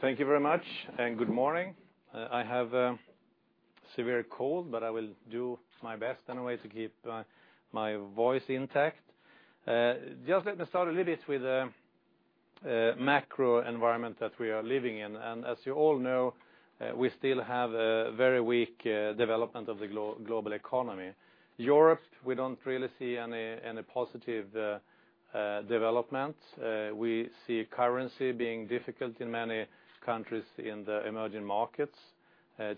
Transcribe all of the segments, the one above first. Thank you very much, and good morning. I have a severe cold, but I will do my best anyway to keep my voice intact. Just let me start a little bit with the macro environment that we are living in. As you all know, we still have a very weak development of the global economy. Europe, we don't really see any positive development. We see currency being difficult in many countries in the emerging markets.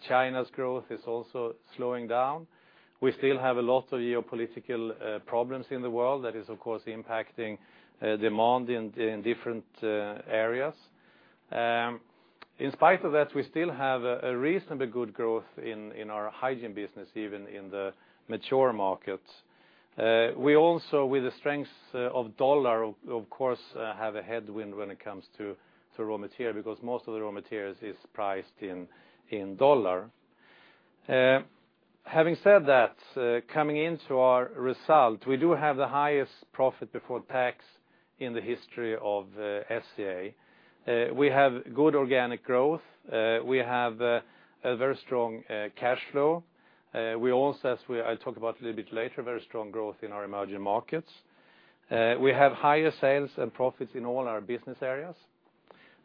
China's growth is also slowing down. We still have a lot of geopolitical problems in the world that is, of course, impacting demand in different areas. In spite of that, we still have a reasonably good growth in our hygiene business, even in the mature markets. We also, with the strength of the USD, of course, have a headwind when it comes to raw material, because most of the raw materials is priced in USD. Having said that, coming into our result, we do have the highest profit before tax in the history of SCA. We have good organic growth. We have a very strong cash flow. We also, as I'll talk about a little bit later, very strong growth in our emerging markets. We have higher sales and profits in all our business areas.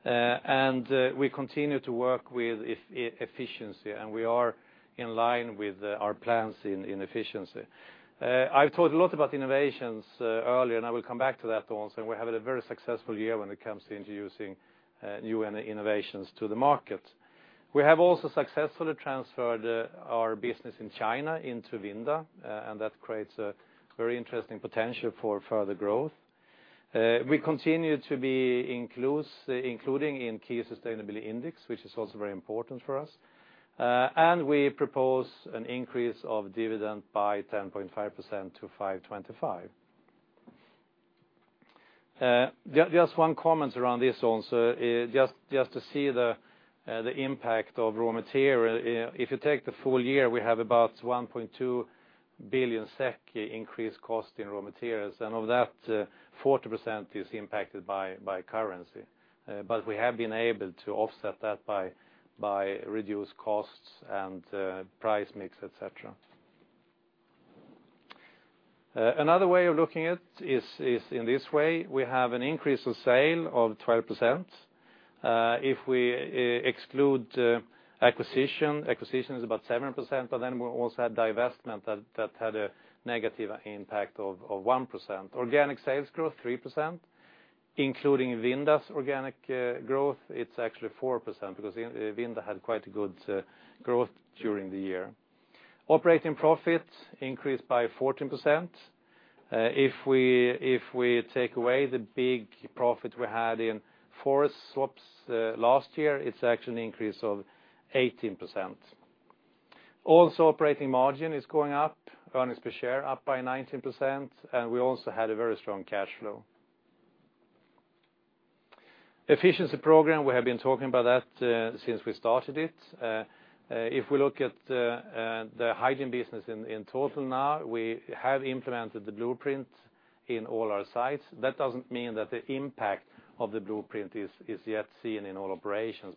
We continue to work with efficiency, and we are in line with our plans in efficiency. I've talked a lot about innovations earlier, and I will come back to that also. We're having a very successful year when it comes to introducing new innovations to the market. We have also successfully transferred our business in China into Vinda. That creates a very interesting potential for further growth. We continue to be including in key sustainability index, which is also very important for us. We propose an increase of dividend by 10.5% to 525. Just one comment around this also, just to see the impact of raw material. If you take the full year, we have about 1.2 billion SEK increase cost in raw materials. Of that, 40% is impacted by currency. We have been able to offset that by reduced costs and price mix, et cetera. Another way of looking at it is in this way. We have an increase of sale of 12%. If we exclude acquisition is about 7%. We also had divestment that had a negative impact of 1%. Organic sales growth, 3%. Including Vinda's organic growth, it's actually 4% because Vinda had quite a good growth during the year. Operating profit increased by 14%. If we take away the big profit we had in forest swaps last year, it's actually an increase of 18%. Also, operating margin is going up, earnings per share up by 19%. We also had a very strong cash flow. Efficiency program, we have been talking about that since we started it. If we look at the hygiene business in total now, we have implemented the blueprint in all our sites. That doesn't mean that the impact of the blueprint is yet seen in all operations.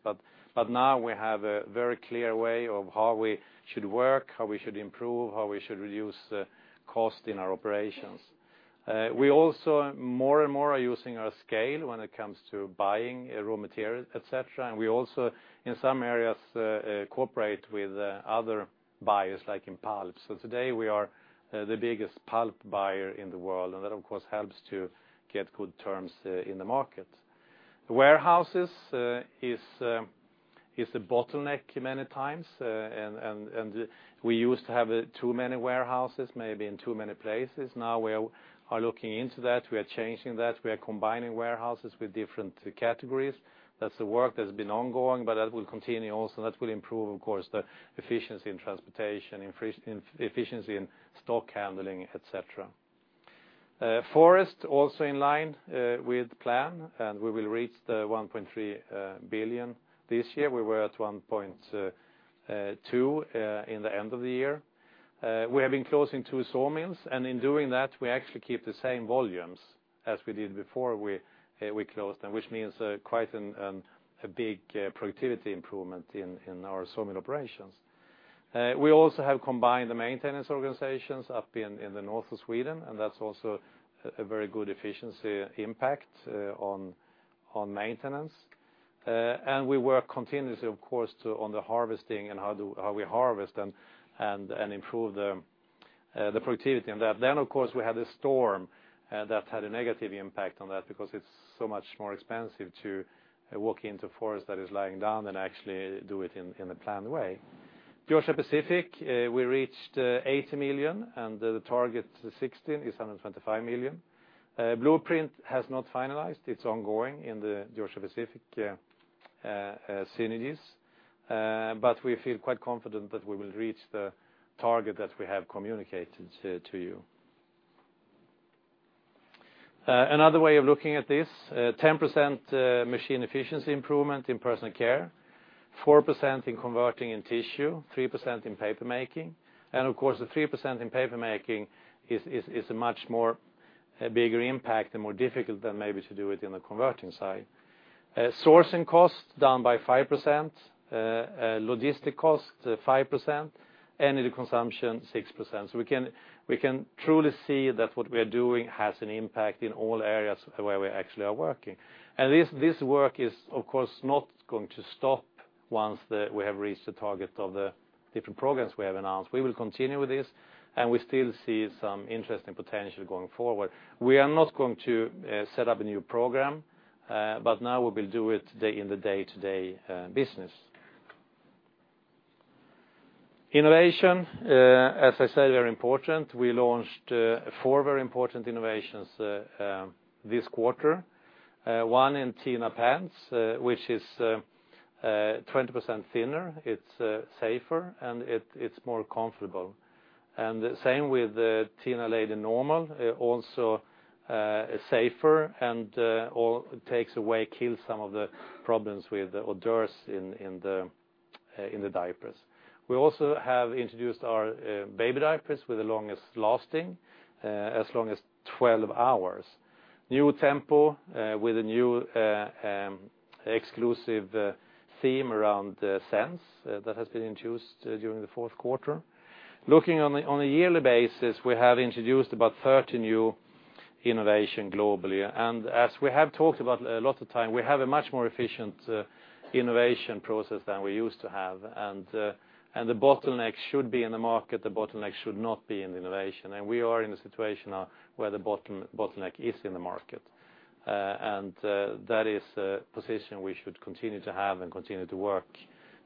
Now we have a very clear way of how we should work, how we should improve, how we should reduce cost in our operations. We also more and more are using our scale when it comes to buying raw material, et cetera. We also in some areas cooperate with other buyers like in pulp. Today we are the biggest pulp buyer in the world and that of course helps to get good terms in the market. The warehouses is a bottleneck many times, and we used to have too many warehouses, maybe in too many places. Now we are looking into that. We are changing that. We are combining warehouses with different categories. That's the work that's been ongoing, but that will continue also. That will improve, of course, the efficiency in transportation, efficiency in stock handling, et cetera. Forest also in line with plan, and we will reach the 1.3 billion this year. We were at 1.2 billion in the end of the year. We have been closing two sawmills, and in doing that, we actually keep the same volumes as we did before we closed them, which means quite a big productivity improvement in our sawmill operations. We also have combined the maintenance organizations up in the north of Sweden, and that's also a very good efficiency impact on maintenance. We work continuously, of course, on the harvesting and how we harvest and improve the productivity in that. Of course we had a storm that had a negative impact on that because it's so much more expensive to walk into forest that is lying down than actually do it in a planned way. Georgia-Pacific, we reached 80 million and the target to 2016 is 125 million. blueprint has not finalized. It's ongoing in the Georgia-Pacific synergies. We feel quite confident that we will reach the target that we have communicated to you. Another way of looking at this, 10% machine efficiency improvement in Personal Care. 4% in converting and tissue, 3% in paper making, of course, the 3% in paper making is a much more bigger impact and more difficult than maybe to do it in the converting side. Sourcing costs down by 5%, logistic cost 5%, energy consumption 6%. We can truly see that what we are doing has an impact in all areas where we actually are working. This work is, of course, not going to stop once we have reached the target of the different programs we have announced. We will continue with this, and we still see some interesting potential going forward. We are not going to set up a new program, now we will do it in the day-to-day business. Innovation, as I said, very important. We launched four very important innovations this quarter. One in TENA Pants, which is 20% thinner, it's safer and it's more comfortable. Same with TENA Lady Normal, also safer and kills some of the problems with odors in the diapers. We also have introduced our baby diapers with the longest lasting, as long as 12 hours. New Tempo with a new exclusive theme around scents that has been introduced during the fourth quarter. Looking on a yearly basis, we have introduced about 30 new innovation globally. As we have talked about a lot of time, we have a much more efficient innovation process than we used to have. The bottleneck should be in the market, the bottleneck should not be in the innovation. We are in a situation now where the bottleneck is in the market. That is a position we should continue to have and continue to work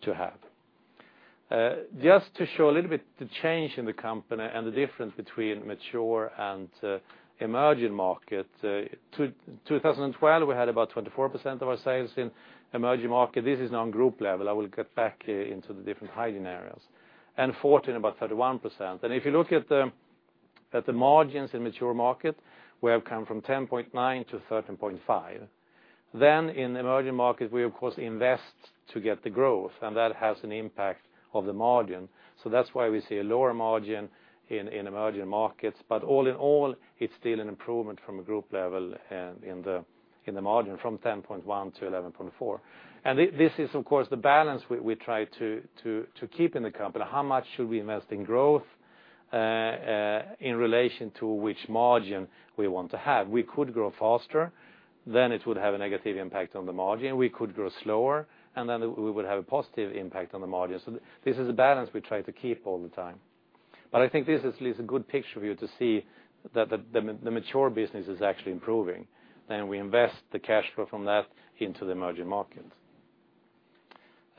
to have. Just to show a little bit the change in the company and the difference between mature and emerging market. 2012, we had about 24% of our sales in emerging market. This is now on group level. I will get back into the different hygiene areas. In 2014, about 31%. If you look at the margins in mature market, we have come from 10.9% to 13.5%. In emerging market, we of course invest to get the growth, and that has an impact of the margin. That's why we see a lower margin in emerging markets. All in all, it's still an improvement from a group level in the margin from 10.1% to 11.4%. This is, of course, the balance we try to keep in the company. How much should we invest in growth in relation to which margin we want to have? We could grow faster, then it would have a negative impact on the margin. We could grow slower, and then we would have a positive impact on the margin. This is a balance we try to keep all the time. I think this is at least a good picture of you to see that the mature business is actually improving. We invest the cash flow from that into the emerging markets.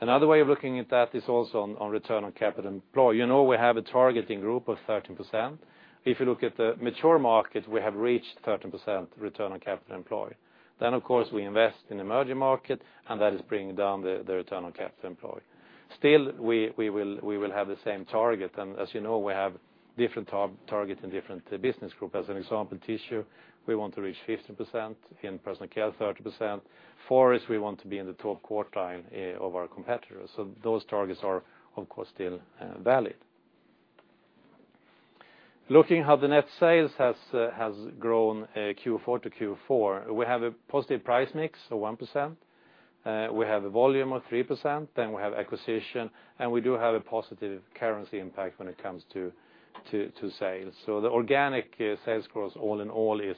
Another way of looking at that is also on return on capital employed. You know we have a target in group of 13%. If you look at the mature market, we have reached 13% return on capital employed. Then, of course, we invest in emerging market, and that is bringing down the return on capital employed. Still, we will have the same target. As you know, we have different targets in different business group. As an example, Tissue, we want to reach 15%, in Personal Care, 30%. Forest, we want to be in the top quartile of our competitors. Those targets are, of course, still valid. Looking how the net sales has grown Q4 to Q4, we have a positive price mix of 1%. We have a volume of 3%, then we have acquisition, and we do have a positive currency impact when it comes to sales. The organic sales growth all in all is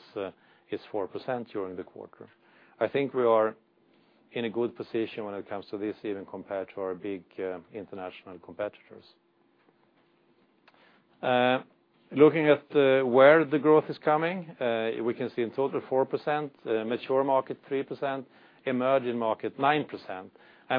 4% during the quarter. I think we are in a good position when it comes to this, even compared to our big international competitors. Looking at where the growth is coming, we can see in total 4%, mature market 3%, emerging market 9%.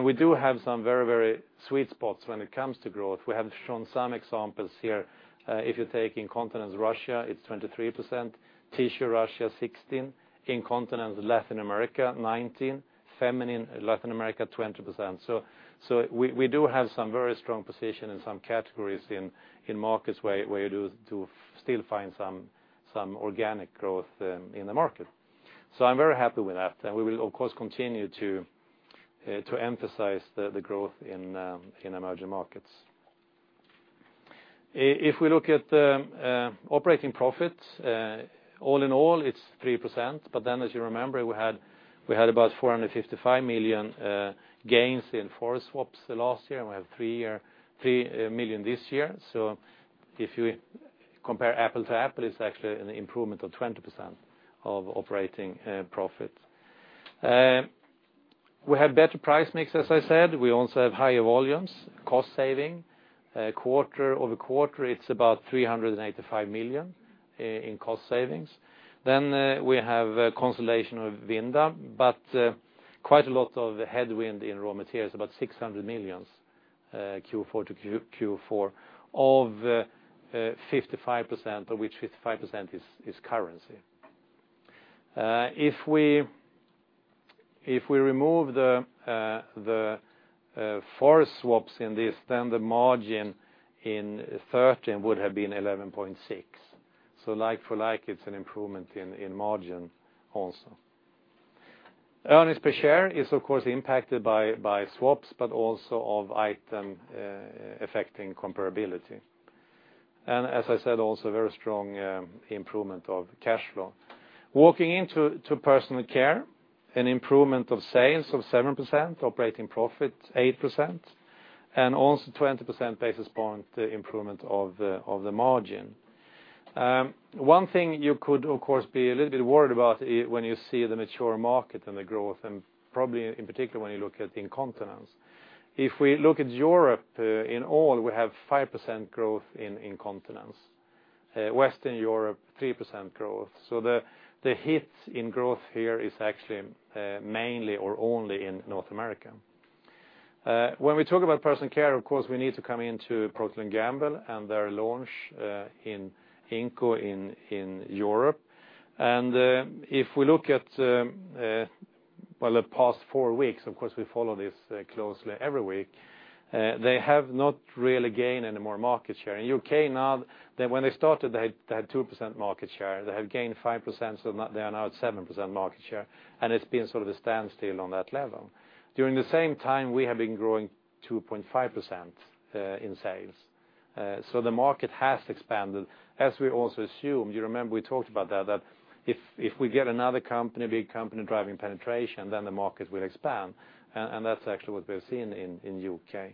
We do have some very sweet spots when it comes to growth. We have shown some examples here. If you take incontinence Russia, it's 23%, Tissue Russia 16%, incontinence Latin America 19%, feminine Latin America 20%. We do have some very strong position in some categories in markets where you do still find some organic growth in the market. I'm very happy with that. We will, of course, continue to emphasize the growth in emerging markets. We look at operating profits, all in all, it's 3%. As you remember, we had about 455 million gains in forest swaps last year, and we have 3 million this year. If you compare apple to apple, it's actually an improvement of 20% of operating profit. We had better price mix, as I said. We also have higher volumes, cost saving. Over quarter, it's about 385 million in cost savings. We have consolidation of Vinda, quite a lot of headwind in raw materials, about 600 million Q4 to Q4, of which 55% is currency. If we remove the forest swaps in this, then the margin in 2013 would have been 11.6%. Like for like, it's an improvement in margin also. Earnings per share is, of course, impacted by swaps, but also of item affecting comparability. As I said, also very strong improvement of cash flow. Walking into Personal Care, an improvement of sales of 7%, operating profit 8%, and also 20 basis point improvement of the margin. One thing you could, of course, be a little bit worried about when you see the mature market and the growth, and probably in particular when you look at incontinence. If we look at Europe overall, we have 5% growth in incontinence. Western Europe, 3% growth. The hit in growth here is actually mainly or only in North America. When we talk about Personal Care, of course, we need to come into Procter & Gamble and their launch in Inco in Europe. If we look at the past four weeks, of course, we follow this closely every week, they have not really gained any more market share. In the U.K. now, when they started, they had 2% market share. They have gained 5%, so they are now at 7% market share, and it's been sort of a standstill on that level. During the same time, we have been growing 2.5% in sales. The market has expanded. As we also assumed, you remember we talked about that if we get another big company driving penetration, then the market will expand. That's actually what we're seeing in the U.K.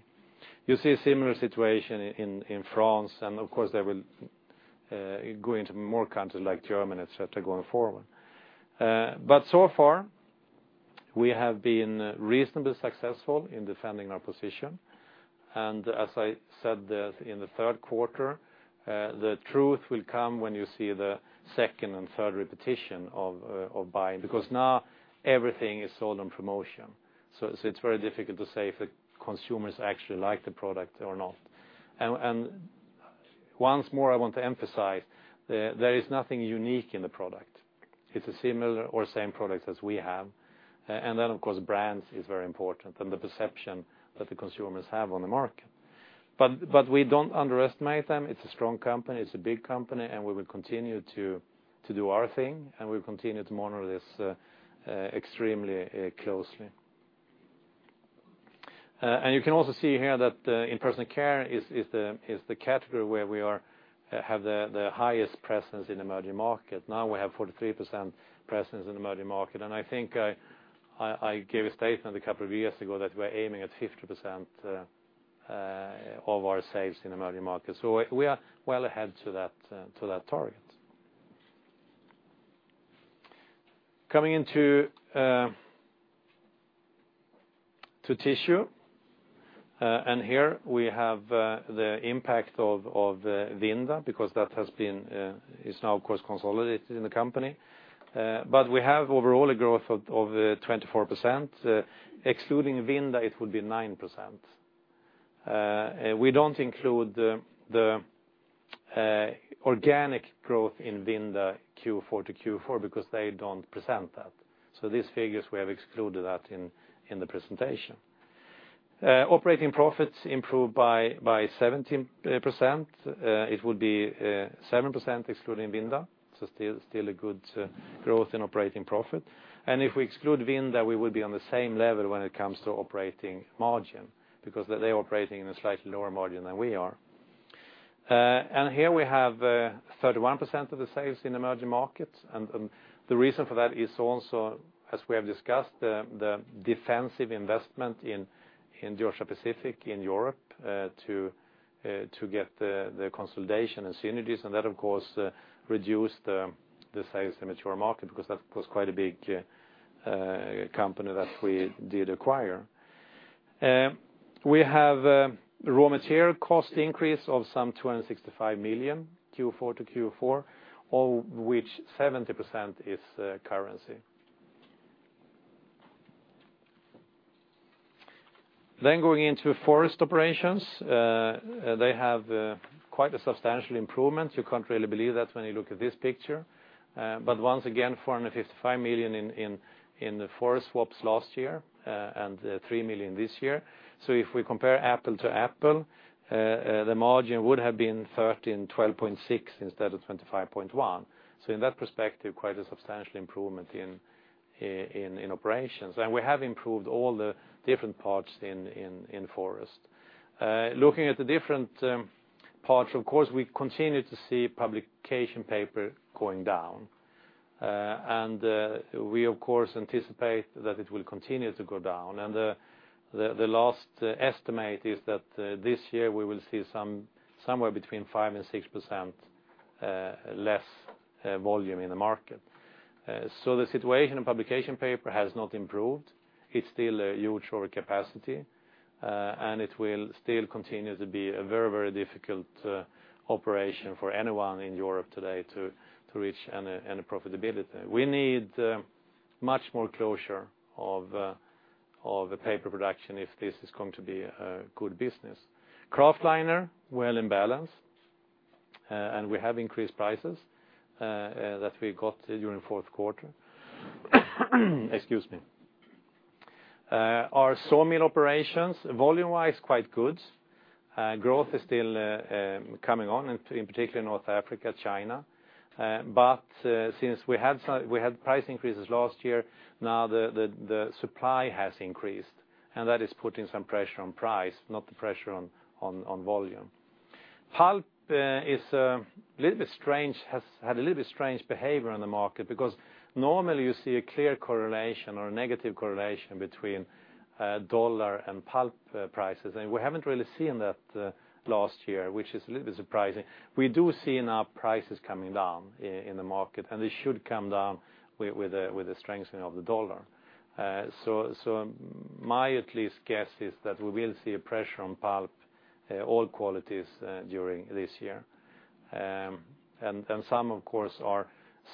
You see a similar situation in France, of course, they will go into more countries like Germany, et cetera, going forward. So far, we have been reasonably successful in defending our position. As I said in the third quarter, the truth will come when you see the second and third repetition of buying, because now everything is sold on promotion. It's very difficult to say if the consumers actually like the product or not. Once more, I want to emphasize there is nothing unique in the product. It's a similar or same product as we have. Then, of course, brands is very important and the perception that the consumers have on the market. We don't underestimate them. It's a strong company. It's a big company, and we will continue to do our thing, and we'll continue to monitor this extremely closely. You can also see here that in Personal Care is the category where we have the highest presence in emerging market. We have 43% presence in emerging market, I think I gave a statement a couple of years ago that we're aiming at 50% of our sales in emerging markets. We are well ahead to that target. Coming into Consumer Tissue, here we have the impact of Vinda because that is now, of course, consolidated in the company. We have overall a growth of 24%. Excluding Vinda, it would be 9%. We don't include the organic growth in Vinda Q4 to Q4 because they don't present that. These figures, we have excluded that in the presentation. Operating profits improved by 17%. It would be 7% excluding Vinda, so still a good growth in operating profit. If we exclude Vinda, we would be on the same level when it comes to operating margin because they're operating in a slightly lower margin than we are. Here we have 31% of the sales in emerging markets. The reason for that is also, as we have discussed, the defensive investment in Georgia-Pacific in Europe to get the consolidation and synergies. That, of course, reduced the sales in mature market because that was quite a big company that we did acquire. We have raw material cost increase of some 265 million Q4 to Q4, of which 70% is currency. Going into forest operations, they have quite a substantial improvement. You can't really believe that when you look at this picture. Once again, 455 million in the forest swaps last year and 3 million this year. If we compare apple to apple, the margin would have been 30% and 12.6% instead of 25.1%. In that perspective, quite a substantial improvement in operations. We have improved all the different parts in forest. Looking at the different parts, of course, we continue to see publication paper going down. We, of course, anticipate that it will continue to go down. The last estimate is that this year we will see somewhere between 5% and 6% less volume in the market. The situation in publication paper has not improved. It's still a huge overcapacity, and it will still continue to be a very difficult operation for anyone in Europe today to reach any profitability. We need much more closure of paper production if this is going to be a good business. Kraftliner, well in balance, we have increased prices that we got during fourth quarter. Excuse me. Our sawmill operations, volume-wise, quite good. Growth is still coming on, in particular in North Africa, China. Since we had price increases last year, now the supply has increased, and that is putting some pressure on price, not the pressure on volume. Pulp has had a little bit strange behavior in the market, because normally you see a clear correlation or a negative correlation between the U.S. dollar and pulp prices, and we haven't really seen that last year, which is a little bit surprising. We do see now prices coming down in the market, and they should come down with the strengthening of the U.S. dollar. My at least guess is that we will see a pressure on pulp, all qualities, during this year. Some, of course, are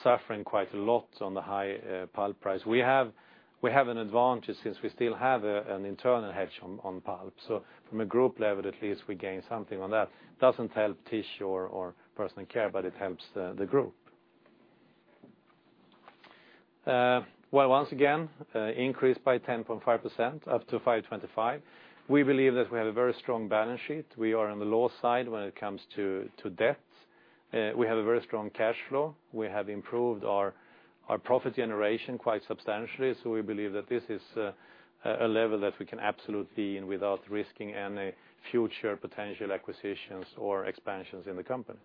suffering quite a lot on the high pulp price. We have an advantage since we still have an internal hedge on pulp. From a group level, at least we gain something on that. Doesn't help tissue or Personal Care, but it helps the group. Well, once again, increased by 10.5% up to 525. We believe that we have a very strong balance sheet. We are on the low side when it comes to debt. We have a very strong cash flow. We have improved our profit generation quite substantially, so we believe that this is a level that we can absolutely be in without risking any future potential acquisitions or expansions in the company.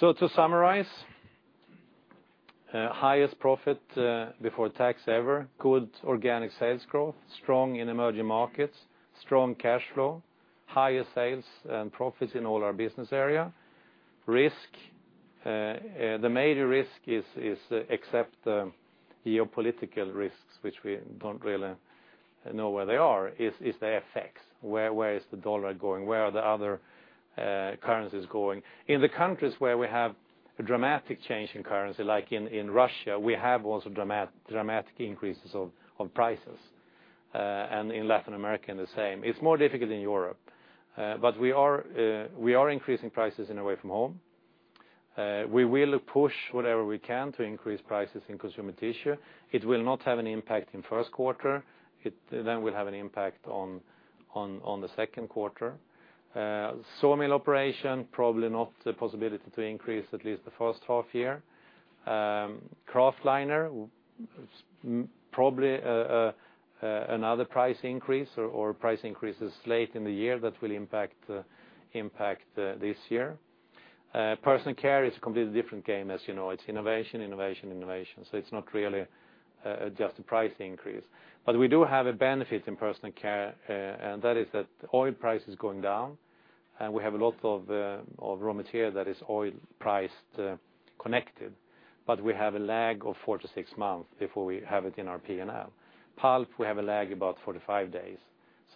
To summarize, highest profit before tax ever, good organic sales growth, strong in emerging markets, strong cash flow, higher sales and profits in all our business area. Risk, the major risk is, except geopolitical risks, which we do not really know where they are, is the FX. Where is the dollar going? Where are the other currencies going? In the countries where we have a dramatic change in currency, like in Russia, we have also dramatic increases on prices, and in Latin America the same. It is more difficult in Europe. We are increasing prices in Away From Home. We will push whatever we can to increase prices in Consumer Tissue. It will not have an impact in first quarter. It then will have an impact on the second quarter. Sawmill operation, probably not the possibility to increase at least the first half year. Kraftliner, probably another price increase or price increases late in the year that will impact this year. Personal Care is a completely different game, as you know. It is innovation. It is not really just a price increase. We do have a benefit in Personal Care, and that is that oil price is going down, and we have a lot of raw material that is oil price connected. We have a lag of four to six months before we have it in our P&L. Pulp, we have a lag about four to five days.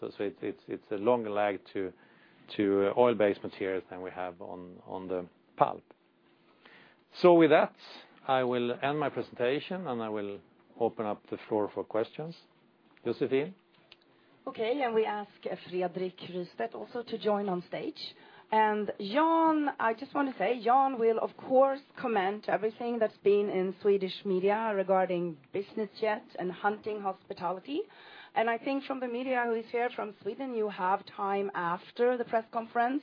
It is a longer lag to oil-based materials than we have on the pulp. With that, I will end my presentation, and I will open up the floor for questions. Joséphine? Okay, we ask Fredrik Rystedt also to join on stage. I just want to say, Jan will, of course, comment everything that has been in Swedish media regarding business jets and hunting hospitality. I think from the media who is here from Sweden, you have time after the press conference,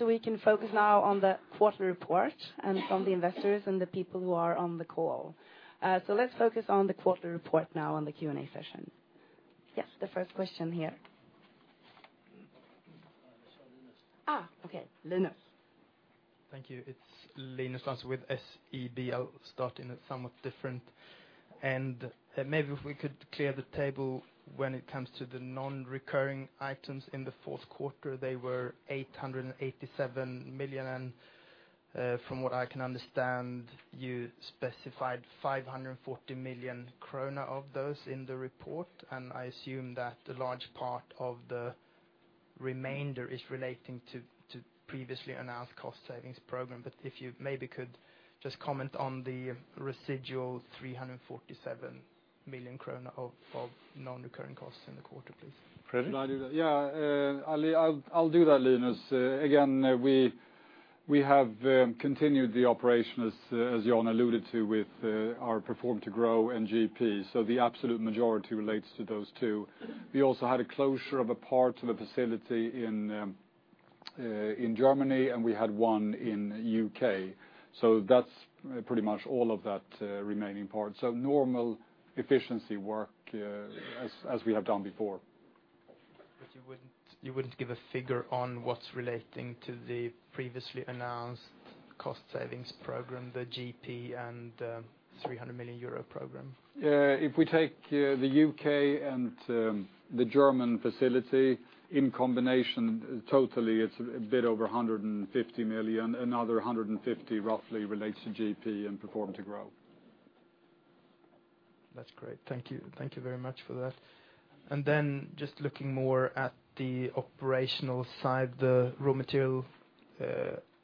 we can focus now on the quarter report and from the investors and the people who are on the call. Let us focus on the quarter report now on the Q&A session. Yes, the first question here. Okay. Linus. Thank you. It is Linus Larsson with SEB. I will start in a somewhat different end. Maybe if we could clear the table when it comes to the non-recurring items in the fourth quarter. They were 887 million, from what I can understand, you specified 540 million krona of those in the report, I assume that a large part of the remainder is relating to previously announced cost savings program. If you maybe could just comment on the residual 347 million krona of non-recurring costs in the quarter, please. Fredrik? I'll do that, Linus. Again, we have continued the operation, as Jan alluded to, with our Perform to Grow and GP. The absolute majority relates to those two. We also had a closure of a part of a facility in Germany, and we had one in the U.K. That's pretty much all of that remaining part. Normal efficiency work as we have done before. You wouldn't give a figure on what's relating to the previously announced cost savings program, the GP and 300 million euro program? If we take the U.K. and the German facility in combination, totally it's a bit over 150 million. Another 150 million roughly relates to GP and Perform to Grow. That's great. Thank you. Thank you very much for that. Just looking more at the operational side, the raw material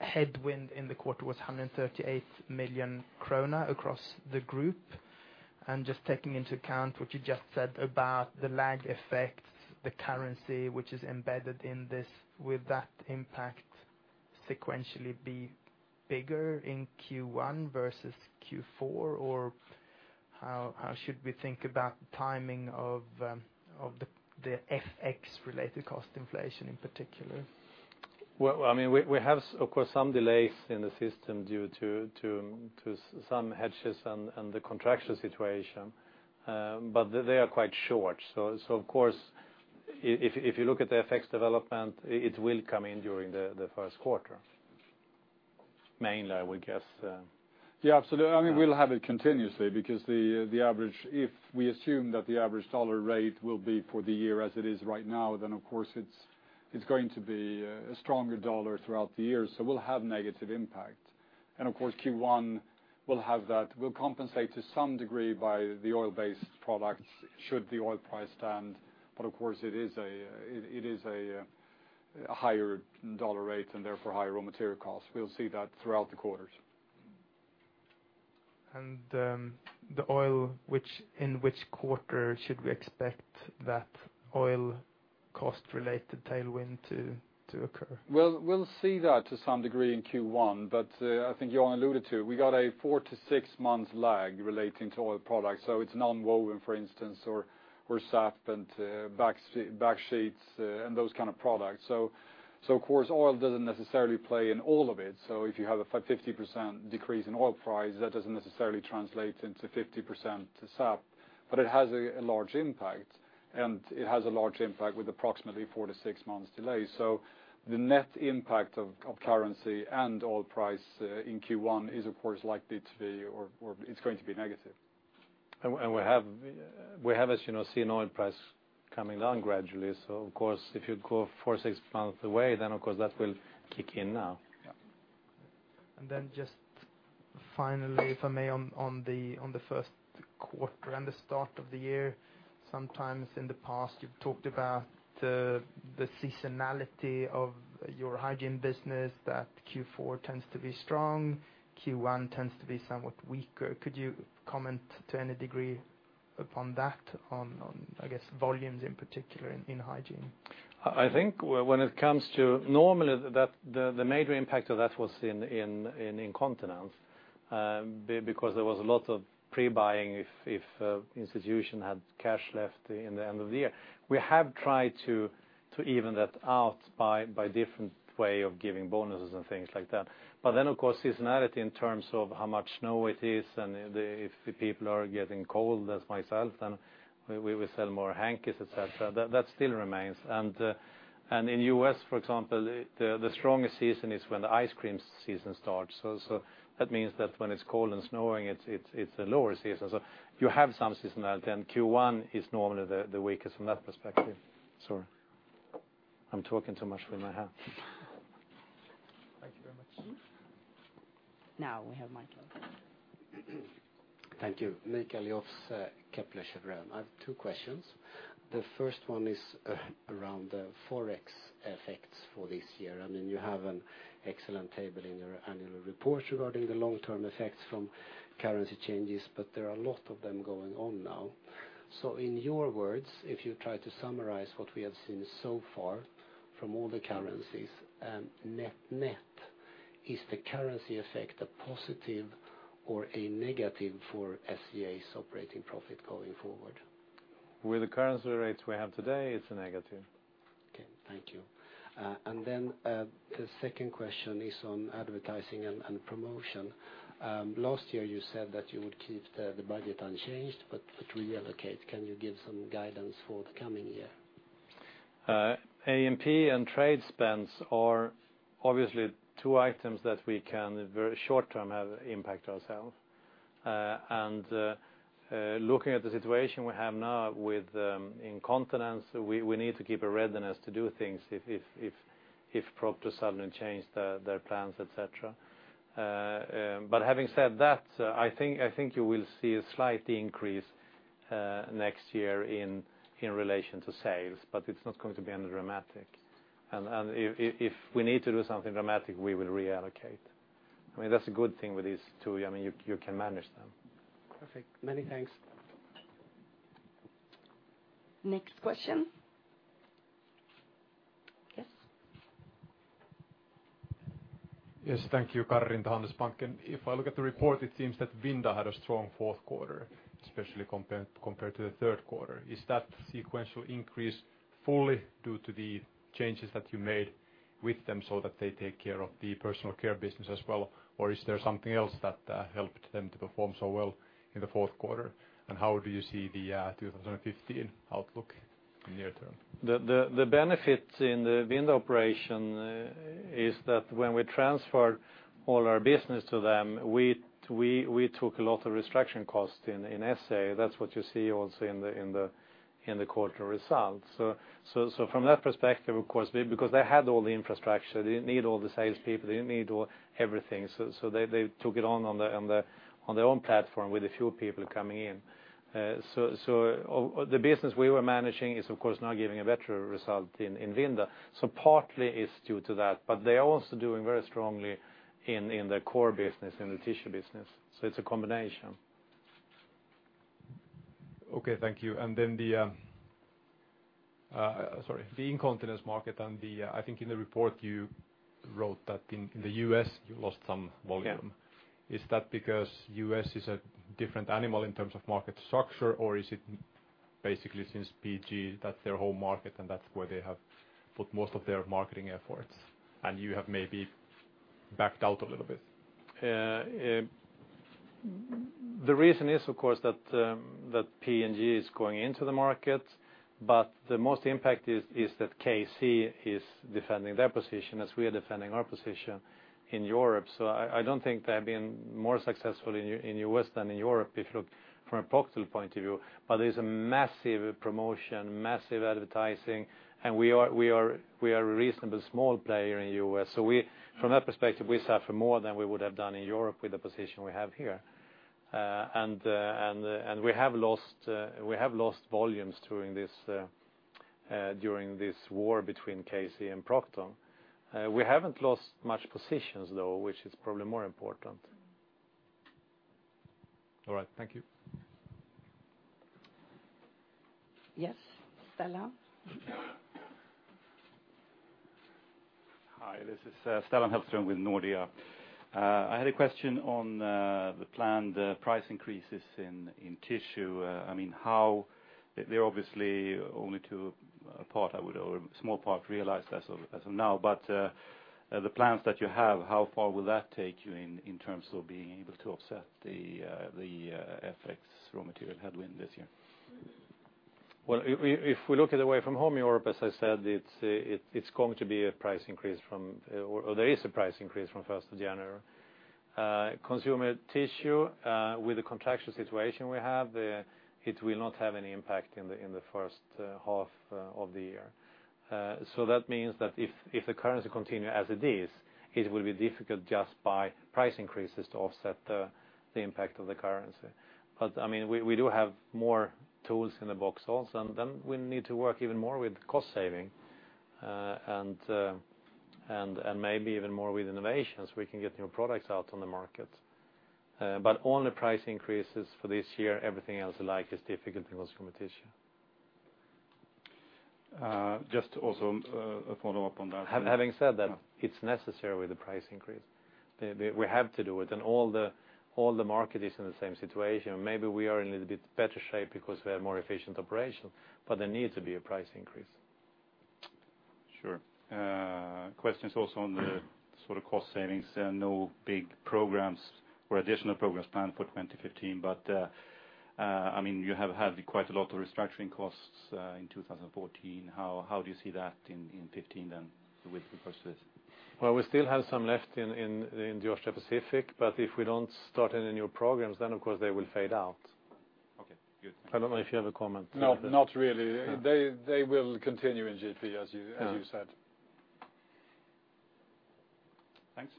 headwind in the quarter was 138 million kronor across the group. Just taking into account what you just said about the lag effects, the currency which is embedded in this, will that impact sequentially be bigger in Q1 versus Q4? Or how should we think about the timing of the FX related cost inflation in particular? We have, of course, some delays in the system due to some hedges and the contractual situation, but they are quite short. Of course, if you look at the FX development, it will come in during the first quarter. Mainly, I would guess. Absolutely. We will have it continuously, because if we assume that the average U.S. dollar rate will be for the year as it is right now, then of course it is going to be a stronger U.S. dollar throughout the year, so we will have negative impact. Of course, Q1 will compensate to some degree by the oil-based products, should the oil price stand. Of course it is a higher U.S. dollar rate, and therefore higher raw material costs. We will see that throughout the quarters. The oil, in which quarter should we expect that oil cost related tailwind to occur? We will see that to some degree in Q1. I think Johan alluded to, we got a 4-6 months lag relating to oil products. It is nonwoven, for instance, or SAP and backsheets and those kind of products. Of course, oil does not necessarily play in all of it. If you have a 50% decrease in oil price, that does not necessarily translate into 50% to SAP, but it has a large impact. It has a large impact with approximately 4-6 months delay. The net impact of currency and oil price in Q1 is of course likely to be, or it is going to be negative. We have, as you know, seen oil price coming down gradually. Of course, if you go four, six months away, then of course that will kick in now. Just finally, if I may, on the first quarter and the start of the year. Sometimes in the past you have talked about the seasonality of your hygiene business, that Q4 tends to be strong, Q1 tends to be somewhat weaker. Could you comment to any degree upon that on, I guess, volumes in particular in hygiene? I think normally, the major impact of that was in incontinence, because there was a lot of pre-buying if institution had cash left in the end of the year. We have tried to even that out by different way of giving bonuses and things like that. Of course, seasonality in terms of how much snow it is, and if the people are getting cold as myself, then we will sell more hankies, et cetera. That still remains. In U.S., for example, the strongest season is when the ice cream season starts. That means that when it's cold and snowing, it's a lower season. You have some seasonality, and Q1 is normally the weakest from that perspective. Sorry. I'm talking too much with my hat. Thank you very much. Now we have mic. Thank you. Mikael Jåfs, Kepler Cheuvreux. I have two questions. The first one is around the forex effects for this year. I mean, you have an excellent table in your annual report regarding the long-term effects from currency changes, there are a lot of them going on now. In your words, if you try to summarize what we have seen so far from all the currencies, net-net, is the currency effect a positive or a negative for SCA's operating profit going forward? With the currency rates we have today, it's a negative. Okay. Thank you. Then the second question is on advertising and promotion. Last year, you said that you would keep the budget unchanged but reallocate. Can you give some guidance for the coming year? A&P and trade spends are obviously two items that we can very short term have impact ourselves. Looking at the situation we have now with incontinence, we need to keep a readiness to do things if Procter suddenly change their plans, et cetera. Having said that, I think you will see a slight increase next year in relation to sales, but it's not going to be anything dramatic. If we need to do something dramatic, we will reallocate. That's a good thing with these two. You can manage them. Perfect. Many thanks. Next question. Yes. Yes. Thank you. Karin, Handelsbanken. If I look at the report, it seems that Vinda had a strong fourth quarter, especially compared to the third quarter. Is that sequential increase fully due to the changes that you made with them so that they take care of the Personal Care business as well, or is there something else that helped them to perform so well in the fourth quarter? How do you see the 2015 outlook in near term? The benefit in the Vinda operation is that when we transferred all our business to them, we took a lot of restructuring costs in SCA. That's what you see also in the quarter results. From that perspective, of course, because they had all the infrastructure, they didn't need all the sales people, they didn't need everything. They took it on their own platform with a few people coming in. The business we were managing is of course now giving a better result in Vinda. Partly it's due to that. They are also doing very strongly in the core business, in the tissue business. It's a combination. Okay, thank you. The incontinence market, I think in the report you wrote that in the U.S. you lost some volume. Yeah. Is that because U.S. is a different animal in terms of market structure, or is it basically since P&G, that's their home market, and that's where they have put most of their marketing efforts, and you have maybe backed out a little bit? The reason is, of course, that P&G is going into the market, but the most impact is that Kimberly-Clark is defending their position as we are defending our position in Europe. I don't think they have been more successful in U.S. than in Europe, if you look from a Procter point of view. There's a massive promotion, massive advertising, and we are a reasonably small player in the U.S. From that perspective, we suffer more than we would have done in Europe with the position we have here. We have lost volumes during this war between Kimberly-Clark and Procter. We haven't lost much positions, though, which is probably more important. All right. Thank you. Yes. Stellan? Hi, this is Stellan Hellström with Nordea. I had a question on the planned price increases in tissue. They're obviously only to a small part realized as of now. The plans that you have, how far will that take you in terms of being able to offset the FX raw material headwind this year? Well, if we look at Away From Home Europe, as I said, there is a price increase from 1st of January. Consumer Tissue, with the contractual situation we have, it will not have any impact in the first half of the year. That means that if the currency continue as it is, it will be difficult just by price increases to offset the impact of the currency. We do have more tools in the box also, we need to work even more with cost saving, and maybe even more with innovations, we can get new products out on the market. Only price increases for this year, everything else alike is difficult in Consumer Tissue. Just also a follow-up on that- Having said that, it's necessary with the price increase. We have to do it, and all the market is in the same situation. Maybe we are in a little bit better shape because we are a more efficient operation, but there needs to be a price increase. Sure. Question is also on the sort of cost savings. There are no big programs or additional programs planned for 2015. You have had quite a lot of restructuring costs in 2014. How do you see that in 2015, then, with the process? Well, we still have some left in the Georgia-Pacific, but if we don't start any new programs, then of course they will fade out. Okay, good. I don't know if you have a comment. No, not really. They will continue in GP, as you said. Thanks.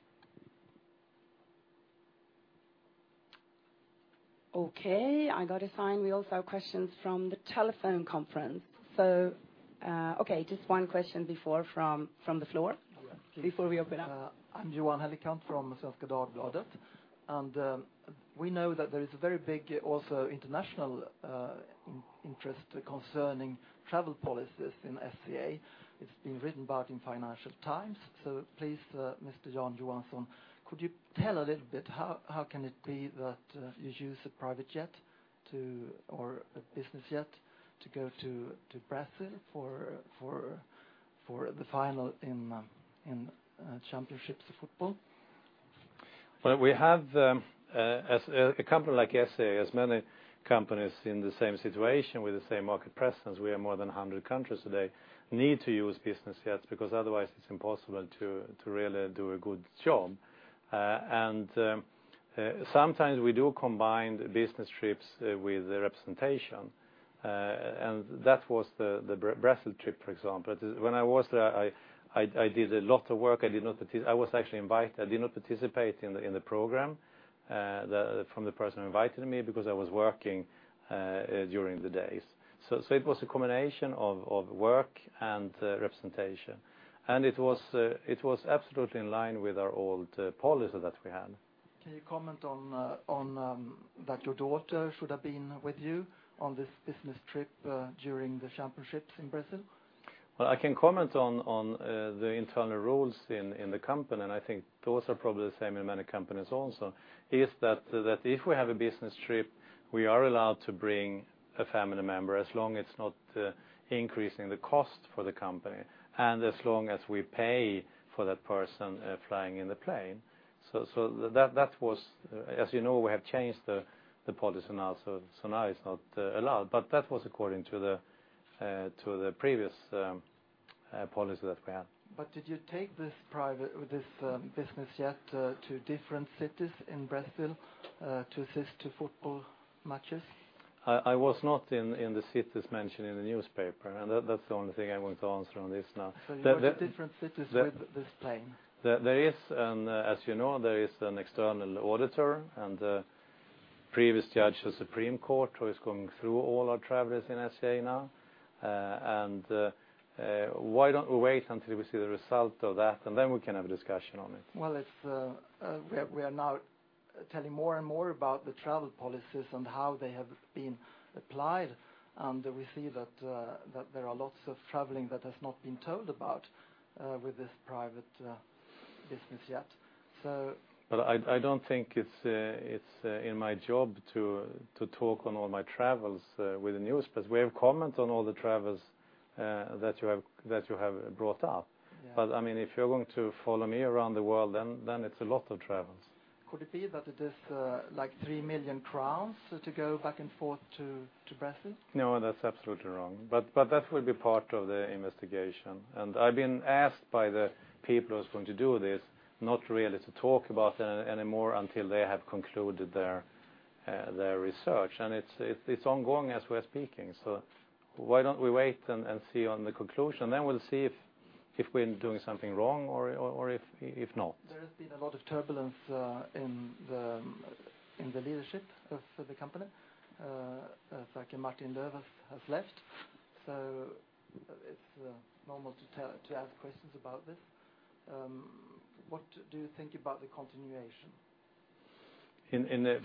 I got a sign we also have questions from the telephone conference. Just one question before from the floor before we open up. I'm Johan Hellekant from Svenska Dagbladet, and we know that there is a very big also international interest concerning travel policies in SCA. It's been written about in Financial Times. Please, Mr. Jan Johansson, could you tell a little bit, how can it be that you use a private jet or a business jet to go to Brazil for the final in championships of football? A company like SCA, as many companies in the same situation with the same market presence, we are more than 100 countries today, need to use business jets, because otherwise it's impossible to really do a good job. Sometimes we do combine business trips with representation. That was the Brazil trip, for example. When I was there, I did a lot of work. I was actually invited. I did not participate in the program from the person who invited me because I was working during the days. It was a combination of work and representation, and it was absolutely in line with our old policy that we had. Can you comment on that your daughter should have been with you on this business trip during the championships in Brazil? Well, I can comment on the internal rules in the company. I think those are probably the same in many companies also, is that if we have a business trip, we are allowed to bring a family member as long as it's not increasing the cost for the company and as long as we pay for that person flying in the plane. As you know, we have changed the policy now, so now it's not allowed. That was according to the previous policy that we had. Did you take this business jet to different cities in Brazil to assist to football matches? I was not in the cities mentioned in the newspaper. That's the only thing I want to answer on this now. You went to different cities with this plane. As you know, there is an external auditor and a previous judge of Supreme Court who is going through all our travelers in SCA now. Why don't we wait until we see the result of that, and then we can have a discussion on it? Well, we are now telling more and more about the travel policies and how they have been applied. We see that there are lots of traveling that has not been told about with this private business yet. I don't think it's in my job to talk on all my travels with the news, because we have commented on all the travels that you have brought up. Yeah. If you're going to follow me around the world, then it's a lot of travels. Could it be that it is like 3 million crowns to go back and forth to Brussels? No, that's absolutely wrong. That will be part of the investigation. I've been asked by the people who's going to do this, not really to talk about it anymore until they have concluded their research. It's ongoing as we're speaking. Why don't we wait and see on the conclusion, then we'll see if we're doing something wrong or if not. There has been a lot of turbulence in the leadership of the company. Sverker Martin-Löf has left, it's normal to ask questions about this. What do you think about the continuation?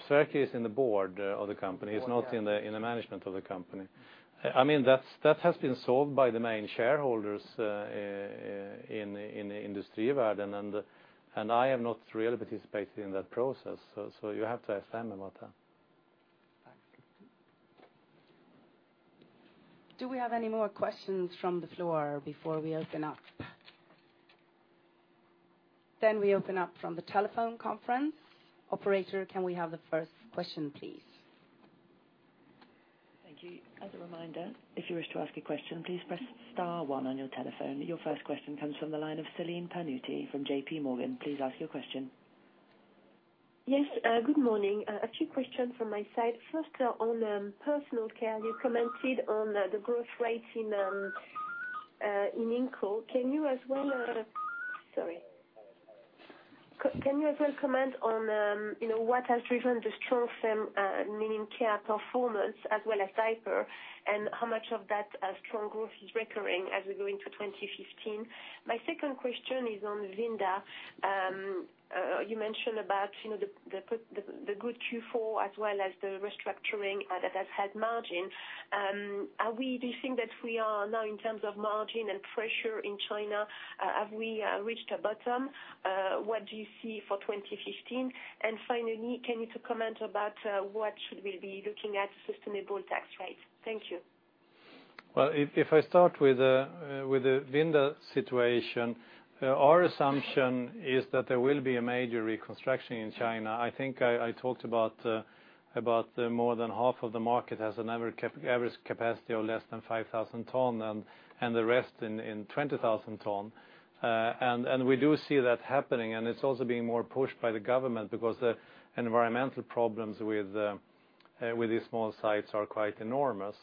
Sverker's in the board of the company. The board, yeah. He's not in the management of the company. That has been solved by the main shareholders in Industrivärden. I have not really participated in that process, you have to ask them about that. Thanks. Do we have any more questions from the floor before we open up? We open up from the telephone conference. Operator, can we have the first question, please? Thank you. As a reminder, if you wish to ask a question, please press star one on your telephone. Your first question comes from the line of Celine Pannuti from JP Morgan. Please ask your question. Yes, good morning. A few question from my side. First, on Personal Care, you commented on the growth rate in Inco. Sorry. Can you as well comment on what has driven the strong feminine care performance as well as diaper? How much of that strong growth is recurring as we go into 2015? My second question is on Vinda. You mentioned about the good Q4 as well as the restructuring that has had margin. Do you think that we are now in terms of margin and pressure in China have we reached a bottom? What do you see for 2015? Finally, can you comment about what should we be looking at sustainable tax rates? Thank you. Well, if I start with the Vinda situation, our assumption is that there will be a major reconstruction in China. I think I talked about more than half of the market has an average capacity of less than 5,000 ton, and the rest in 20,000 ton. We do see that happening, and it's also being more pushed by the government because the environmental problems with these small sites are quite enormous.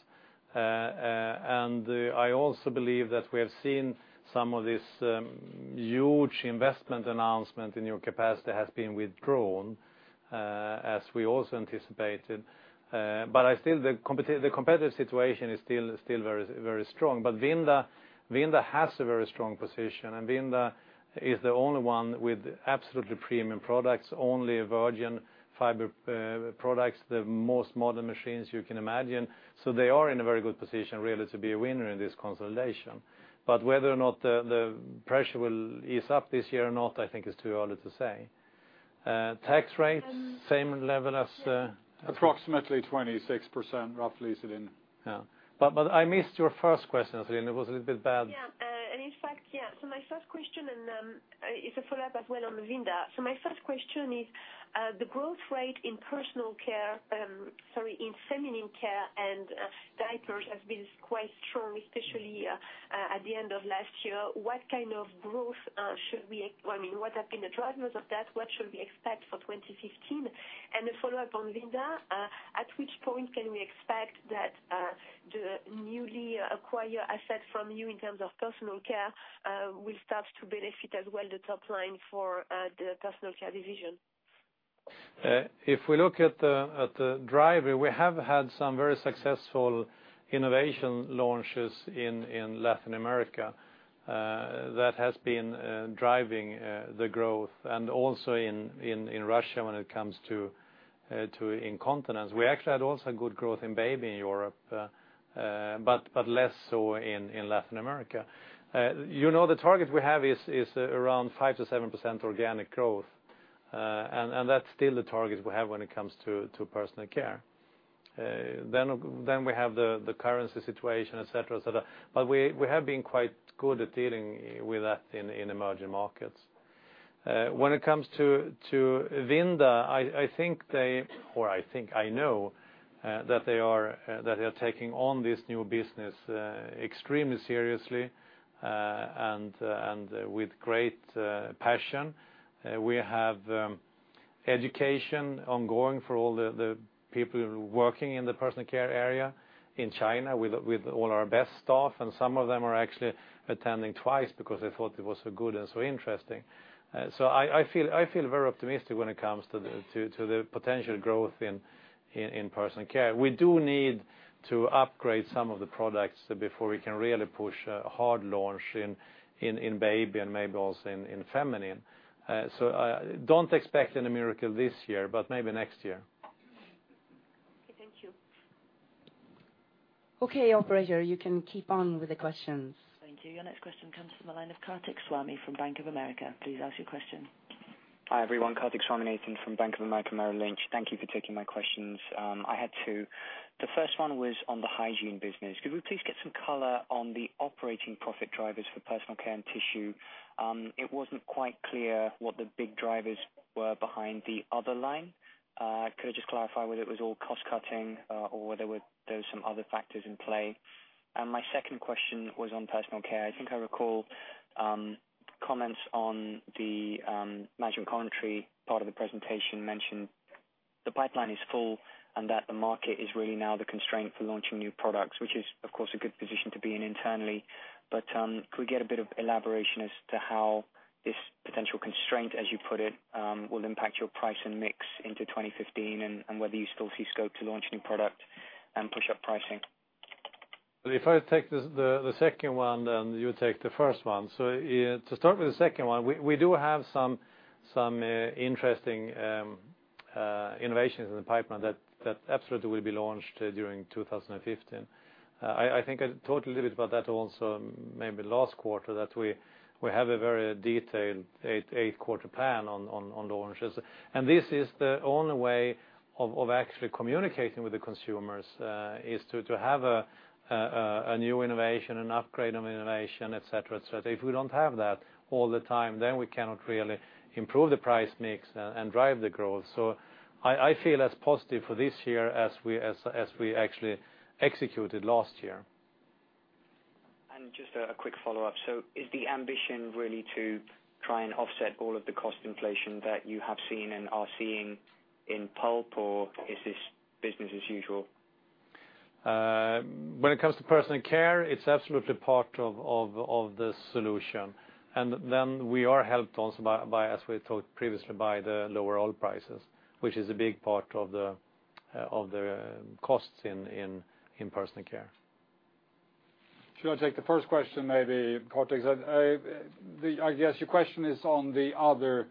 I also believe that we have seen some of this huge investment announcement in new capacity has been withdrawn, as we also anticipated. The competitive situation is still very strong, but Vinda has a very strong position, and Vinda is the only one with absolutely premium products, only virgin fiber products, the most modern machines you can imagine. So they are in a very good position, really, to be a winner in this consolidation. Whether or not the pressure will ease up this year or not, I think it's too early to say. Tax rates, same level as- Approximately 26%, roughly, Celine. Yeah. I missed your first question, Celine. It was a little bit bad. Yeah. In fact, yeah. My first question, it's a follow-up as well on Vinda. My first question is, the growth rate in Personal Care, sorry, in feminine care and diapers has been quite strong, especially at the end of last year. What have been the drivers of that? What should we expect for 2015? A follow-up on Vinda, at which point can we expect that the newly acquired asset from you in terms of Personal Care will start to benefit as well the top line for the Personal Care division? If we look at the driver, we have had some very successful innovation launches in Latin America that has been driving the growth and also in Russia when it comes to incontinence. We actually had also good growth in baby in Europe, but less so in Latin America. The target we have is around 5%-7% organic growth, and that's still the target we have when it comes to Personal Care. We have the currency situation, et cetera. We have been quite good at dealing with that in emerging markets. When it comes to Vinda, I think they, or I think I know that they are taking on this new business extremely seriously and with great passion. We have education ongoing for all the people who are working in the Personal Care area in China with all our best staff, and some of them are actually attending twice because they thought it was so good and so interesting. I feel very optimistic when it comes to the potential growth in Personal Care. We do need to upgrade some of the products before we can really push a hard launch in baby and maybe also in feminine. Don't expect any miracle this year, but maybe next year. Okay, operator, you can keep on with the questions. Thank you. Your next question comes from the line of Kartik Swamy from Bank of America. Please ask your question. Hi, everyone. Kartik Swaminathan from Bank of America Merrill Lynch. Thank you for taking my questions. I had two. The first one was on the hygiene business. Could we please get some color on the operating profit drivers for Personal Care and tissue? It wasn't quite clear what the big drivers were behind the other line. Could I just clarify whether it was all cost-cutting or there were some other factors in play? My second question was on Personal Care. I think I recall comments on the management commentary part of the presentation mentioned the pipeline is full and that the market is really now the constraint for launching new products, which is, of course, a good position to be in internally. Could we get a bit of elaboration as to how this potential constraint, as you put it, will impact your price and mix into 2015? Whether you still see scope to launch new product and push up pricing? If I take the second one, then you take the first one. To start with the second one, we do have some interesting innovations in the pipeline that absolutely will be launched during 2015. I think I talked a little bit about that also maybe last quarter, that we have a very detailed 8-quarter plan on the launches. This is the only way of actually communicating with the consumers, is to have a new innovation and upgrade on innovation, et cetera. If we don't have that all the time, then we cannot really improve the price mix and drive the growth. I feel as positive for this year as we actually executed last year. Just a quick follow-up. Is the ambition really to try and offset all of the cost inflation that you have seen and are seeing in pulp? Or is this business as usual? When it comes to Personal Care, it's absolutely part of the solution. Then we are helped also, as we thought previously, by the lower oil prices, which is a big part of the costs in Personal Care. Shall I take the first question, maybe, Kartik? I guess your question is on the other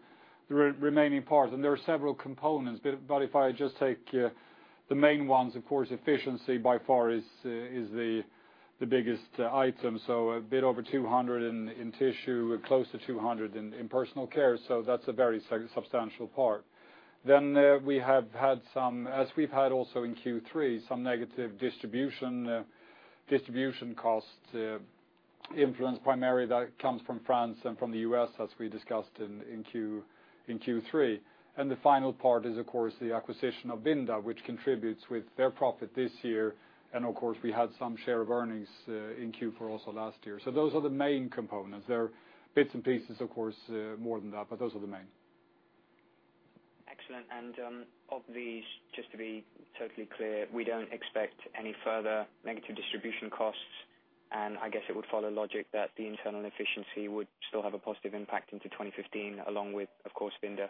remaining parts, and there are several components. If I just take the main ones, of course, efficiency by far is the biggest item. A bit over 200 in tissue, close to 200 in Personal Care, that's a very substantial part. Then we have had some, as we've had also in Q3, some negative distribution cost influence, primarily that comes from France and from the U.S., as we discussed in Q3. The final part is, of course, the acquisition of Vinda, which contributes with their profit this year. Of course, we had some share of earnings in Q4 also last year. Those are the main components. There are bits and pieces, of course, more than that, but those are the main. Excellent. Of these, just to be totally clear, we don't expect any further negative distribution costs. I guess it would follow logic that the internal efficiency would still have a positive impact into 2015 along with, of course, Vinda.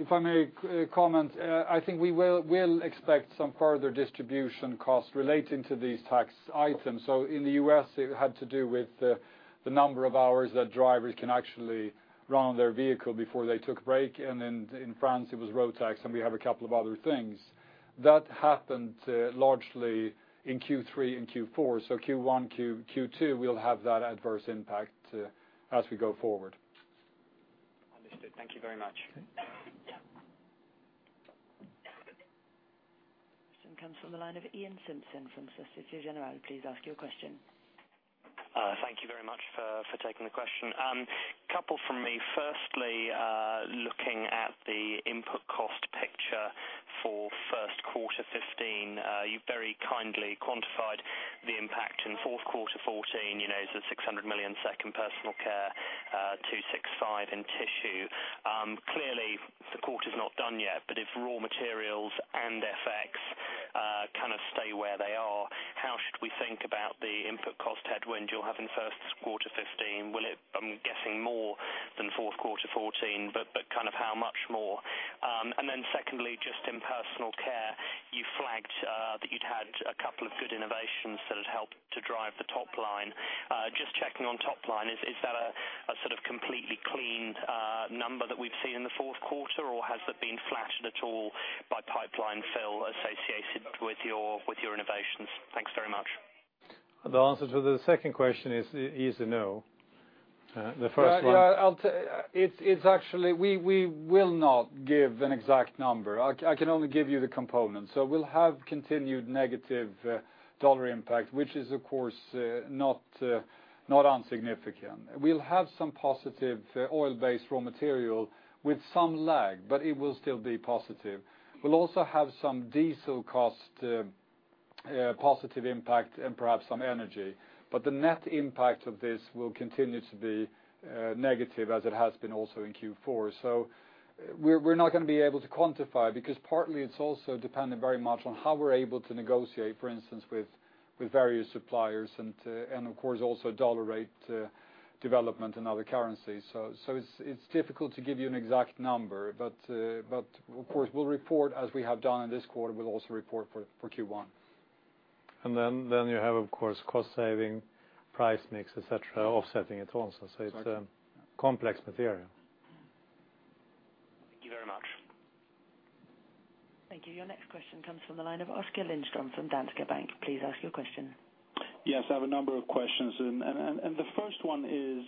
If I may comment, I think we will expect some further distribution costs relating to these tax items. In the U.S., it had to do with the number of hours that drivers can actually run their vehicle before they took a break, and in France it was road tax, and we have a couple of other things. That happened largely in Q3 and Q4. Q1, Q2 will have that adverse impact as we go forward. Understood. Thank you very much. Okay. Question comes from the line of Iain Simpson from Societe Generale. Please ask your question. Thank you very much for taking the question. Couple from me. Firstly, looking at the input cost picture for first quarter 2015, you very kindly quantified the impact in fourth quarter 2014. It's a 600 million in Personal Care, 265 in tissue. Clearly the quarter's not done yet, but if raw materials and FX kind of stay where they are, how should we think about the input cost headwind you'll have in first quarter 2015? Will it, I'm guessing more than fourth quarter 2014, but kind of how much more? Secondly, just in Personal Care, you flagged that you'd had a couple of good innovations that had helped to drive the top line. Just checking on top line, is that a sort of completely cleaned number that we've seen in the fourth quarter, or has it been flatted at all by pipeline fill associated with your innovations? Thanks very much. The answer to the second question is no. Actually, we will not give an exact number. I can only give you the components. We'll have continued negative dollar impact, which is, of course, not insignificant. We'll have some positive oil-based raw material with some lag, but it will still be positive. We'll also have some diesel cost positive impact and perhaps some energy. The net impact of this will continue to be negative as it has been also in Q4. We're not going to be able to quantify, because partly it's also dependent very much on how we're able to negotiate, for instance, with various suppliers and of course also dollar rate development and other currencies. It's difficult to give you an exact number, but of course we'll report as we have done in this quarter, we'll also report for Q1. You have, of course, cost saving, price mix, et cetera, offsetting it also. It's a complex material. Thank you. Your next question comes from the line of Oskar Lindström from Danske Bank. Please ask your question. Yes, I have a number of questions. The first one is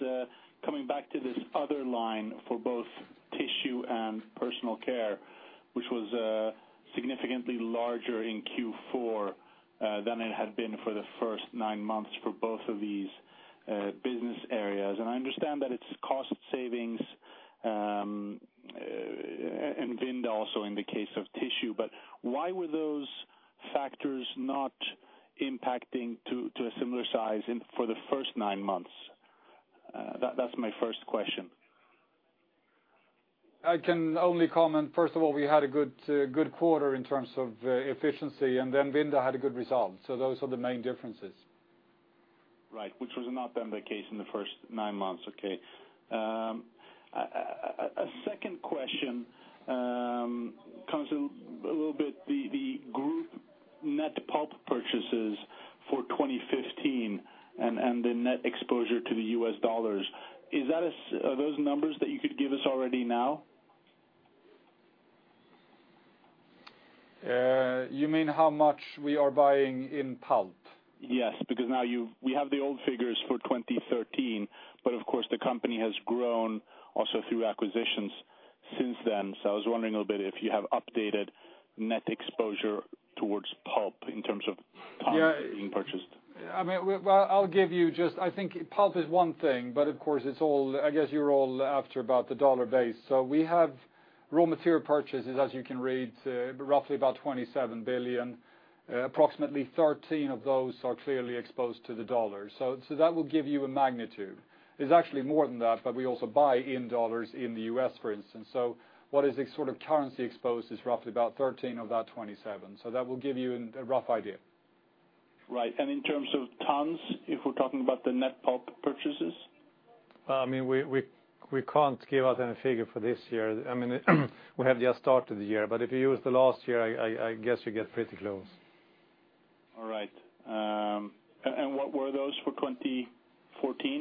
coming back to this other line for both tissue and personal care, which was significantly larger in Q4 than it had been for the first nine months for both of these business areas. I understand that it's cost savings, and Vinda also in the case of tissue, why were those factors not impacting to a similar size for the first nine months? That's my first question. I can only comment, first of all, we had a good quarter in terms of efficiency, and then Vinda had a good result. Those are the main differences. Right. Which was not been the case in the first nine months. Okay. A second question comes in a little bit, the group net pulp purchases for 2015 and the net exposure to the US dollars. Are those numbers that you could give us already now? You mean how much we are buying in pulp? Yes, because now we have the old figures for 2013, but of course the company has grown also through acquisitions since then. I was wondering a little bit if you have updated net exposure towards pulp in terms of tons being purchased. I think pulp is one thing. Of course, I guess you're all after about the dollar base. We have raw material purchases, as you can read, roughly about 27 billion. Approximately 13 billion of those are clearly exposed to the USD. That will give you a magnitude. It's actually more than that. We also buy in USD in the U.S., for instance. What is currency exposed is roughly about 13 billion of that 27 billion. That will give you a rough idea. Right. In terms of tons, if we're talking about the net pulp purchases? We can't give out any figure for this year. We have just started the year, but if you use last year, I guess you get pretty close. All right. What were those for 2014,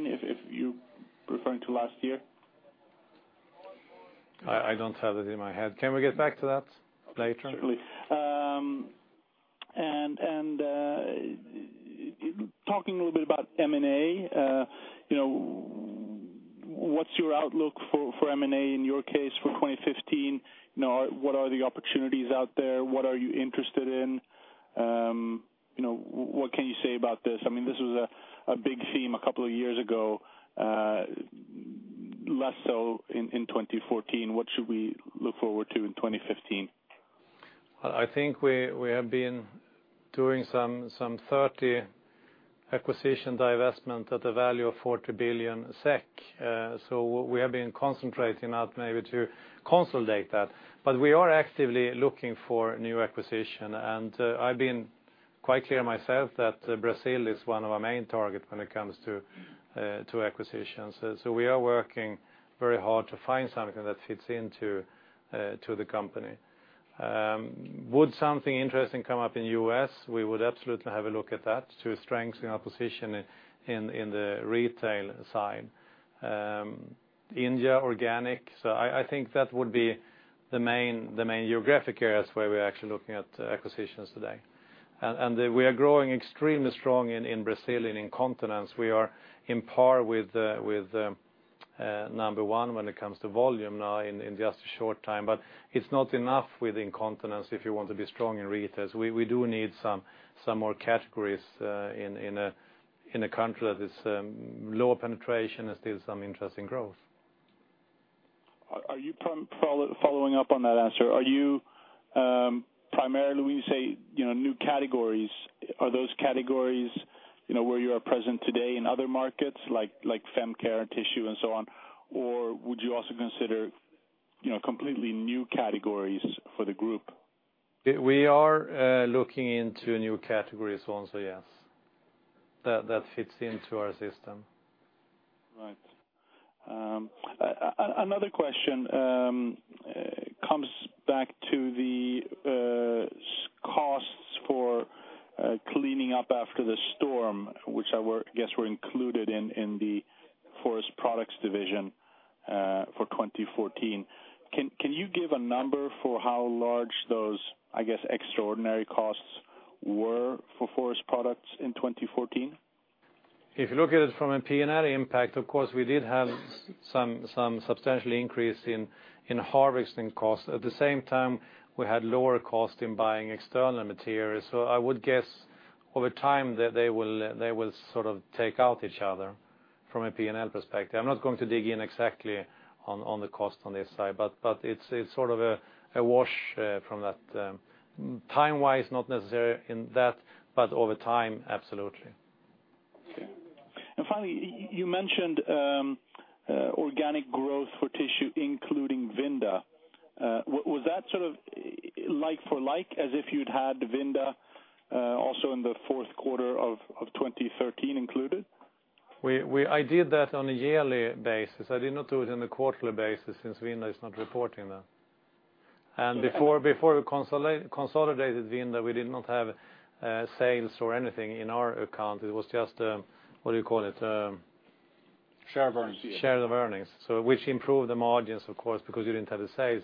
if you're referring to last year? I don't have it in my head. Can we get back to that later? Certainly. Talking a little bit about M&A, what's your outlook for M&A in your case for 2015? What are the opportunities out there? What are you interested in? What can you say about this? This was a big theme a couple of years ago, less so in 2014. What should we look forward to in 2015? I think we have been doing some 30 acquisition divestment at a value of 40 billion SEK. We have been concentrating that maybe to consolidate that. We are actively looking for new acquisition, and I've been quite clear myself that Brazil is one of our main target when it comes to acquisitions. We are working very hard to find something that fits into the company. Would something interesting come up in U.S., we would absolutely have a look at that to strengthen our position in the retail side. India organic. I think that would be the main geographic areas where we're actually looking at acquisitions today. We are growing extremely strong in Brazil, in incontinence. We are in par with number 1 when it comes to volume now in just a short time. It's not enough with incontinence if you want to be strong in retailers. We do need some more categories in a country that is lower penetration and still some interesting growth. Following up on that answer, primarily when you say new categories, are those categories where you are present today in other markets like fem care and tissue and so on? Or would you also consider completely new categories for the group? We are looking into new categories also, yes. That fits into our system. Right. Another question comes back to the costs for cleaning up after the storm, which I guess were included in the Forest Products division for 2014. Can you give a number for how large those, I guess, extraordinary costs were for Forest Products in 2014? If you look at it from a P&L impact, of course, we did have some substantial increase in harvesting costs. At the same time, we had lower cost in buying external materials. I would guess over time that they will sort of take out each other from a P&L perspective. I'm not going to dig in exactly on the cost on this side, but it's sort of a wash from that. Time-wise, not necessary in that, but over time, absolutely. Okay. Finally, you mentioned organic growth for tissue, including Vinda. Was that sort of like for like as if you'd had Vinda also in the fourth quarter of 2013 included? I did that on a yearly basis. I did not do it on a quarterly basis since Vinda is not reporting that. Before we consolidated Vinda, we did not have sales or anything in our account. It was just a, what do you call it? Share of earnings Share of earnings, which improved the margins, of course, because you didn't have the sales.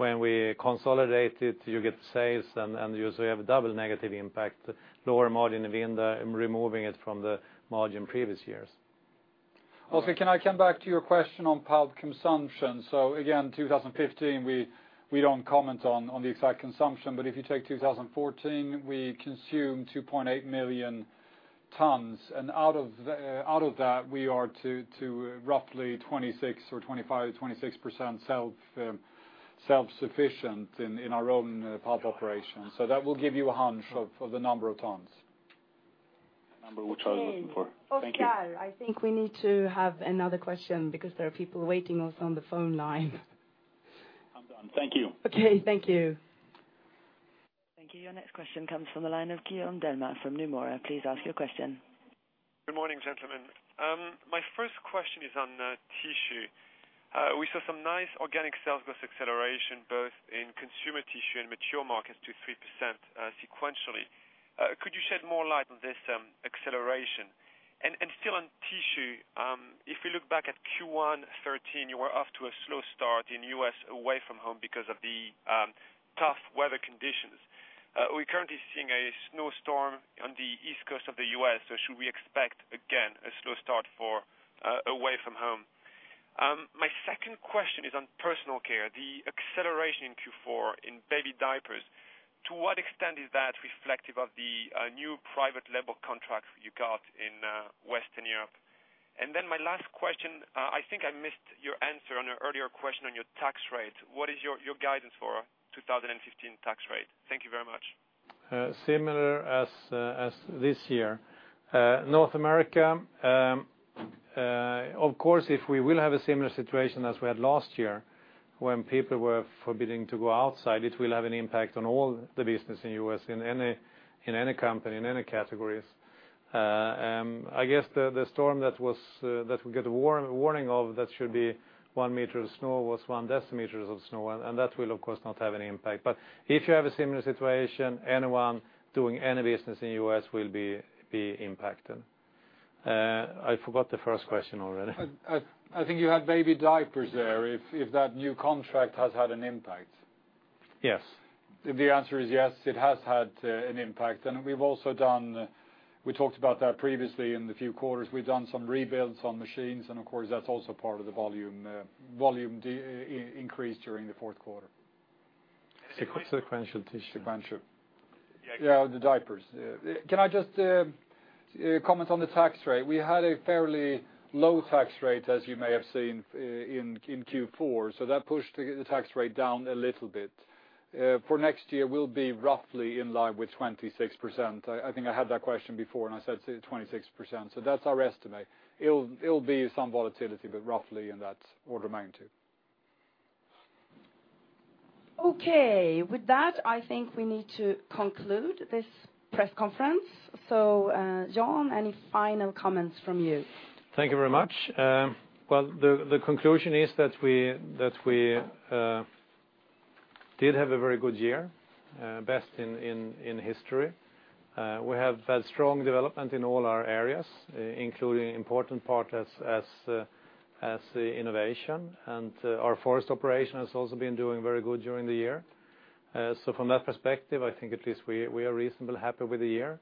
When we consolidated, you get the sales, and you also have a double negative impact, lower margin in Vinda and removing it from the margin previous years. Can I come back to your question on pulp consumption? Again, 2015, we don't comment on the exact consumption, but if you take 2014, we consume 2.8 million tons. Out of that, we are to roughly 25%-26% self-sufficient in our own pulp operation. That will give you a hunch of the number of tons. The number which I was looking for. Thank you. Okay. Oskar, I think we need to have another question because there are people waiting on the phone line. I'm done. Thank you. Okay, thank you. Thank you. Your next question comes from the line of Guillaume Delmas from Nomura. Please ask your question. Good morning, gentlemen. My first question is on tissue. We saw some nice organic sales growth acceleration, both in Consumer Tissue and mature markets, 2%-3% sequentially. Could you shed more light on this acceleration? Still on tissue, if we look back at Q1 2013, you were off to a slow start in U.S. Away From Home because of the tough weather conditions. We are currently seeing a snowstorm on the East Coast of the U.S., should we expect, again, a slow start for Away From Home? My second question is on Personal Care, the acceleration in Q4 in baby diapers. To what extent is that reflective of the new private label contracts you got in Western Europe? My last question, I think I missed your answer on an earlier question on your tax rate. What is your guidance for 2015 tax rate? Thank you very much. Similar as this year. North America, of course, if we will have a similar situation as we had last year when people were forbidding to go outside, it will have an impact on all the business in U.S., in any company, in any categories. I guess the storm that we get a warning of that should be one meter of snow was one decimeter of snow, and that will, of course, not have any impact. If you have a similar situation, anyone doing any business in U.S. will be impacted. I forgot the first question already. I think you had baby diapers there, if that new contract has had an impact. Yes. The answer is yes, it has had an impact. We talked about that previously in the few quarters, we've done some rebuilds on machines, and of course, that's also part of the volume increase during the fourth quarter. Sequential tissue. Sequential. Yeah. Yeah, the diapers. Can I just comment on the tax rate? We had a fairly low tax rate, as you may have seen in Q4, so that pushed the tax rate down a little bit. For next year, we will be roughly in line with 26%. I think I had that question before, and I said 26%. That's our estimate. It will be some volatility, but roughly in that order magnitude. Okay. With that, I think we need to conclude this press conference. Jan, any final comments from you? Thank you very much. Well, the conclusion is that we did have a very good year, best in history. We have had strong development in all our areas, including important part as innovation, and our forest operation has also been doing very good during the year. From that perspective, I think at least we are reasonably happy with the year.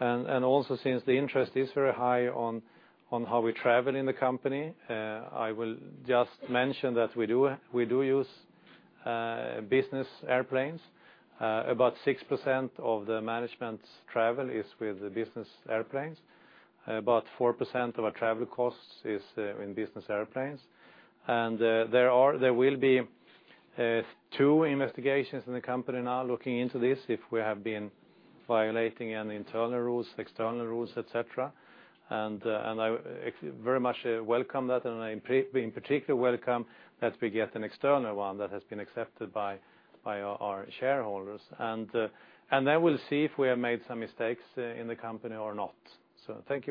Also, since the interest is very high on how we travel in the company, I will just mention that we do use business airplanes. About 6% of the management's travel is with the business airplanes. About 4% of our travel costs is in business airplanes. There will be two investigations in the company now looking into this, if we have been violating any internal rules, external rules, et cetera. I very much welcome that, and in particular welcome that we get an external one that has been accepted by our shareholders. Then we will see if we have made some mistakes in the company or not. Thank you very much.